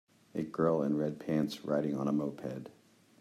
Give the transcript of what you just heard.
a girl in red pants riding on a moped.